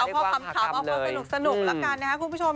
ด้วยความหากรรมเลยเอาเพราะความสนุกละกันนะครับคุณผู้ชม